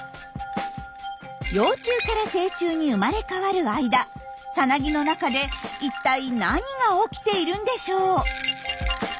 幼虫から成虫に生まれ変わる間さなぎの中で一体何が起きているんでしょう？